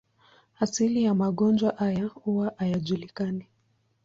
Asili ya magonjwa haya huwa hayajulikani.